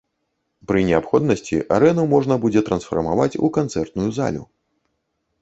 Пры неабходнасці арэну можна будзе трансфармаваць у канцэртную залю.